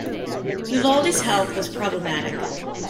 Vivaldi's health was problematic.